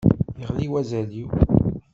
Yeɣli wazal-iw.